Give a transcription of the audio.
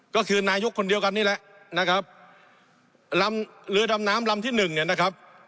ก็คือนายกคนเดียวกันนี่แหละนะครับลำเรือดำน้ำลำที่หนึ่งเนี่ยนะครับ